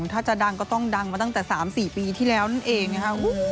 ถ้าจะดังก็ต้องดังมาตั้งแต่๓๔ปีที่แล้วนั่นเองนะคะ